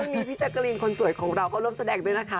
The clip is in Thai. มีพี่แจ๊กกะรีนคนสวยของเราก็ร่วมแสดงด้วยนะคะ